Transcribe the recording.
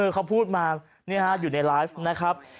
เขาพูดมาอยู่ในไลฟ์นะครับ